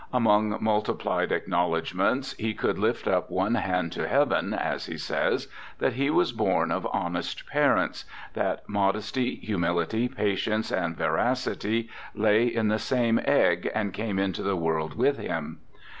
Among multiplied acknow ledgements, he could lift up one hand to Heaven (as he says) that he was born of honest parents, ' that modesty, humility, patience, and veracity lay in the same egg, and came into the world ' with him.